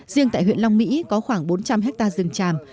riêng tại huyện long mỹ có khoảng bốn trăm linh hectare rừng tràm